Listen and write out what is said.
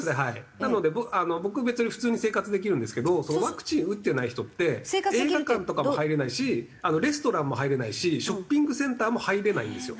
なので僕別に普通に生活できるんですけどワクチン打ってない人って映画館とかも入れないしレストランも入れないしショッピングセンターも入れないんですよ。